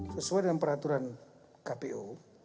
sesuai dengan peraturan kpu